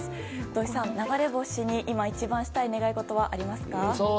土井さん、流れ星に今一番したい願いごとはありますか？